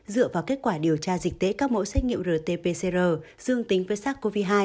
dựa vào kết quả điều tra dịch tễ các mẫu xét nghiệm rt pcr dương tính với sars cov hai